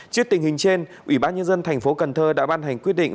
trước tình hình trên ủy ban nhân dân tp cần thơ đã ban hành quyết định